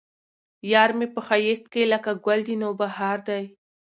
يار مې په ښايست کې لکه ګل د نوبهار دى